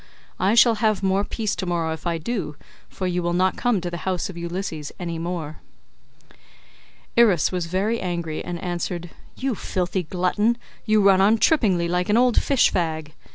I shall have more peace tomorrow if I do, for you will not come to the house of Ulysses any more." Irus was very angry and answered, "You filthy glutton, you run on trippingly like an old fish fag.